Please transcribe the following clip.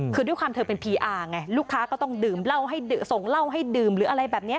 คือด้วยความเธอเป็นพีอาร์ไงลูกค้าก็ต้องดื่มเหล้าให้ส่งเหล้าให้ดื่มหรืออะไรแบบนี้